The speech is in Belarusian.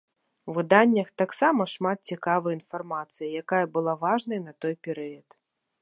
У выданнях таксама шмат цікавай інфармацыі, якая была важнай на той перыяд.